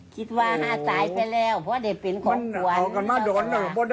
ครับ